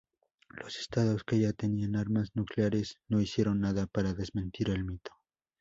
Los estados que ya tenían armas nucleares no hicieron nada para desmentir el mito.